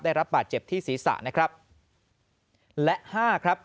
ได้รับบาดเจ็บที่ศีรษะนะครับ